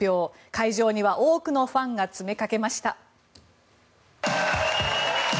会場には多くのファンが詰めかけました。